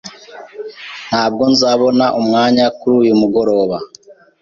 Ntabwo nzabona umwanya kuri uyu mugoroba.